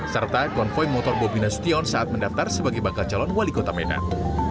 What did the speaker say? serta konvoi motor bobina sution saat mendaftar sebagai bakal calon wali kota medan